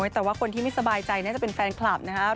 แต่ว่าคนที่ไม่สบายใจน่าจะเป็นแฟนคลับนะครับ